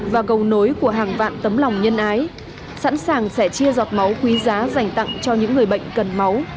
và cầu nối của hàng vạn tấm lòng nhân ái sẵn sàng sẽ chia giọt máu quý giá dành tặng cho những người bệnh cần máu